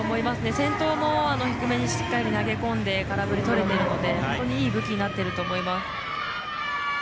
先頭も低めにしっかり投げ込んで空振り取れてるので本当に、いい武器になっていると思います。